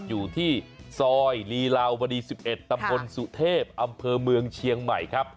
อยู่ที่ซอยลีลาวดี๑๑ตำบลสุเทพอำเภอเมืองเชียงใหม่ครับ